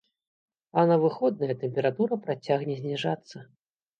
А на выходныя тэмпература працягне зніжацца.